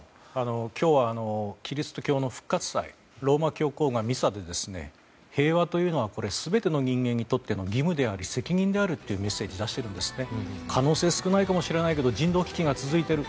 今日はキリスト教の復活祭ローマ教皇がミサで平和というのは全ての人間にとっての義務であり責任であるというメッセージを出しているんですね。